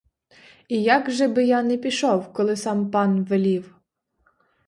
І як же би я не пішов, коли сам пан велів!